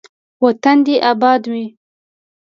وطن دې اباد وي.